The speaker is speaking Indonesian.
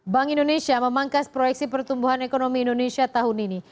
bank indonesia memangkas proyeksi pertumbuhan ekonomi indonesia tahun ini